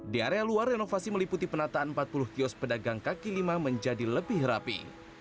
di area luar renovasi meliputi penataan empat puluh kios pedagang kaki lima menjadi lebih rapi